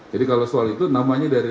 jadi kalau soal itu namanya dari